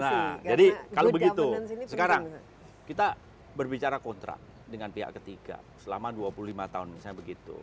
nah jadi kalau begitu sekarang kita berbicara kontrak dengan pihak ketiga selama dua puluh lima tahun misalnya begitu